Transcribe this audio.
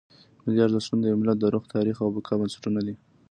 ملي ارزښتونه د یو ملت د روح، تاریخ او بقا بنسټونه دي.